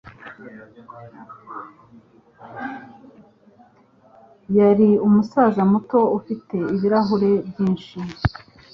Yari umusaza muto ufite ibirahure byinshi.